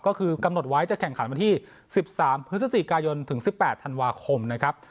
ก็คือกำหนดไว้จะแข่งขันวันที่๑๓พฤศจิกายนถึง๑๘ธันวาคมนะครับ